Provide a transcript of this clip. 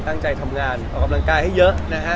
ตั้งใจทำงานออกกำลังกายให้เยอะนะฮะ